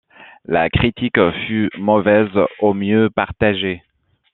La critique fut mauvaise, au mieux partagée.